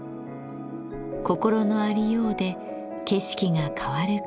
心のありようで景色が変わる空間です。